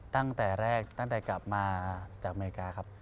ตั้งแต่แรกตั้งแต่กลับมาจากอเมริกาครับ